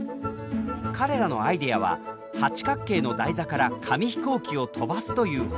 彼らのアイデアは八角形の台座から紙飛行機を飛ばすという方法。